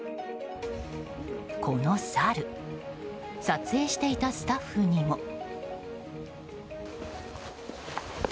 このサル撮影していたスタッフにも。